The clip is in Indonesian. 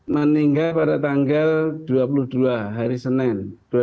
meninggal pada tanggal dua puluh dua hari senin